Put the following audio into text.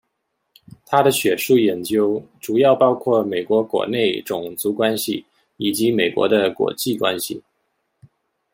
他的学术研究主要包括美国国内种族关系以及美国的国际关系。